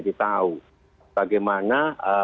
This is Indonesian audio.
di tahu bagaimana